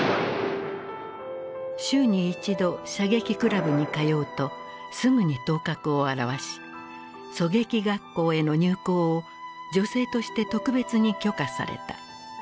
週に１度射撃クラブに通うとすぐに頭角を現し狙撃学校への入校を女性として特別に許可された。